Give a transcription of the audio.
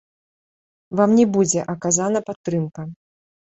Вам не будзе аказана падтрымка.